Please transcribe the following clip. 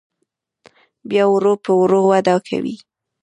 بیا ورو په ورو وده کوي.